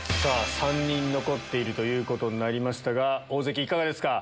３人残っているということになりましたが大関いかがですか？